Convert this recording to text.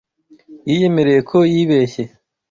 Yiyemereye ko yibeshye.